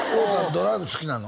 ドライブ好きなの？